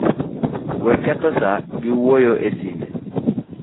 We ketho saa gi wuoyo e sime